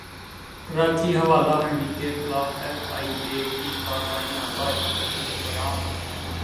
کراچی حوالہ ہنڈی کیخلاف ایف ائی اے کی کارروائیاں بھاری رقوم برامد